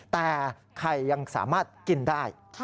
แต่ไข่ยังสามารถกินได้